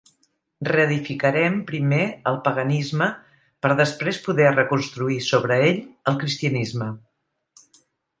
Reedificarem primer el paganisme per després poder reconstruir sobre ell el cristianisme.